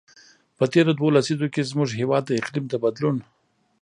په تېرو دوو لسیزو کې، زموږ هېواد د اقلیم د بدلون.